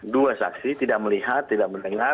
dua saksi tidak melihat tidak mendengar